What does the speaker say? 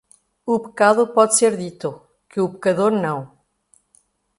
O pecado pode ser dito, que o pecador não.